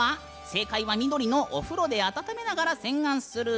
正解は緑のお風呂で温めながら洗顔する。